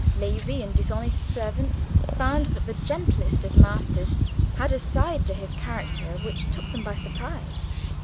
Lazy and dishonest servants found that the gentlest of masters had a side to his character which took them by surprise.